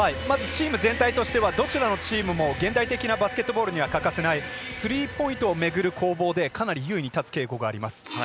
まずチーム全体としてはどちらのチームも現代的なバスケットボールには欠かせないスリーポイントをめぐる攻防でかなり優位に立つ傾向があります。